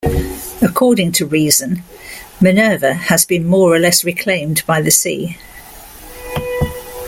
According to "Reason", Minerva has been "more or less reclaimed by the sea".